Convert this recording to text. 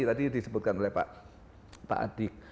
tadi disebutkan oleh pak adik